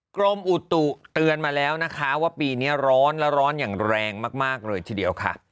กรมอุตุเตือนมาแล้วนะคะว่าปีนี้ร้อนและร้อนอย่างแรงมากเลยทีเดียวค่ะ